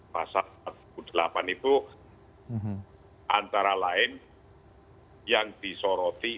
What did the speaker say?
pasal empat puluh delapan itu antara lain yang disoroti